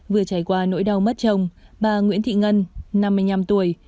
vừa trải qua nỗi đau mất chồng bà nguyễn thị ngân năm mươi năm tuổi